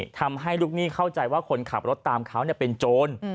ทำให้ลูกหนี้เข้าใจว่าคนขับรถตามเขาเป็นโจร